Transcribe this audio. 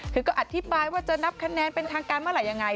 คือก็อธิบายว่าจะนับคะแนนเป็นทางการเมื่อไหร่ยังไง